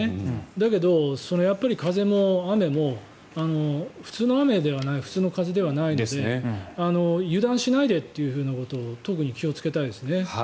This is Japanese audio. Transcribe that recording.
だけど、風も雨も普通の雨ではない普通の風ではないので油断しないでということを特に気をつけたいですね。